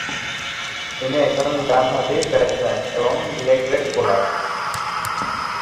তিনি একজন ডান-হাতি ব্যাটসম্যান এবং লেগ-ব্রেক বোলার।